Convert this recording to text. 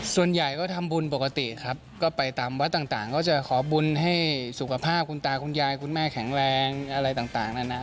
ส่วนใหญ่ก็ทำบุญปกติครับก็ไปตามวัดต่างก็จะขอบุญให้สุขภาพคุณตาคุณยายคุณแม่แข็งแรงอะไรต่างนะนะ